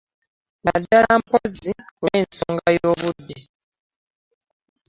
Naddala mpozzi olw'ensonga y'obudde